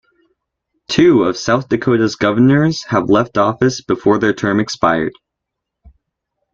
Two of South Dakota's governors have left office before their term expired.